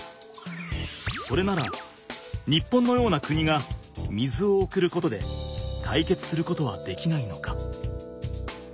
それなら日本のような国が水を送ることで解決することはできないのか？